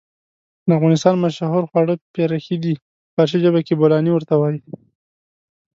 د افغانستان مشهور خواړه پيرکي دي چې په فارسي ژبه کې بولانى ورته وايي.